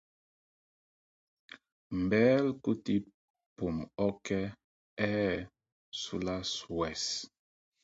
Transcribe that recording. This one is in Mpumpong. Mbɛ̂l kúl tí pum ɔ́kɛ, ɛ́ ɛ́ sula swes.